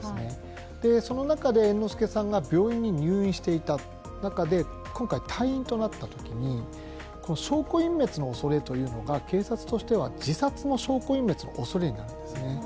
その中で、猿之助さんが病院に入院していた中で今回、退院となったときに証拠隠滅のおそれというのが警察としては自殺の証拠隠滅のおそれとなるんですね。